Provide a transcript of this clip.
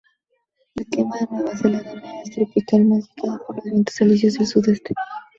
El clima de Nueva Caledonia es tropical, modificado por los vientos alisios del sudeste.